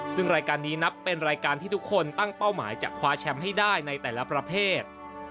ซึ่งรายการนี้นับเป็นรายการที่ทุกคนตั้งเป้าหมายจะคว้าแชมป์ให้ได้ในแต่ละประเภท